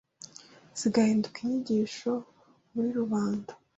zigahinduka inyigisho muri rubanda